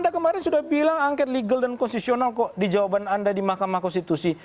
karena sudah bilang angket legal dan kosisional kok dijawaban anda di mahkamah konstitusi